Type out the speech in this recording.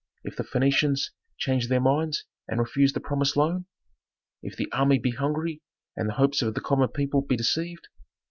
If the Phœnicians change their minds and refuse the promised loan? If the army be hungry, and the hopes of the common people be deceived?